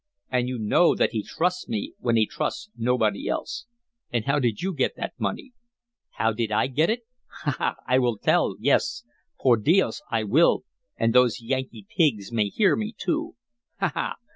And you know that he trusts me when he trusts nobody else." "And how did you get that money?" "How did I get it! Ha! ha! I will tell yes, por dios, I will, and those Yankee pigs may hear me, too. Ha! ha!